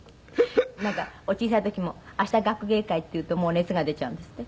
なんかお小さい時も明日学芸会っていうと熱が出ちゃうんですって？